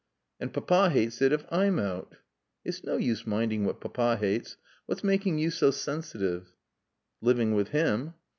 "And Papa hates it if I'm out." "It's no use minding what Papa hates. What's making you so sensitive?" "Living with him."